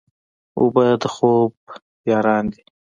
اوبه د خوب یاران دي.